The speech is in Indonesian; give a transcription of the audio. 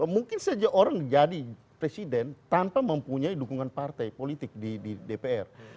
mungkin saja orang jadi presiden tanpa mempunyai dukungan partai politik di dpr